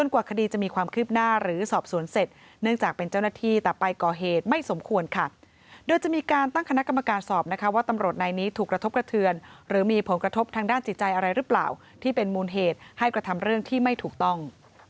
ในนี้ถูกกระทบกระเทือนหรือมีผลกระทบทางด้านจิตใจอะไรหรือเปล่าที่เป็นมูลเหตุให้กระทำเรื่องที่ไม่ถูกต้อง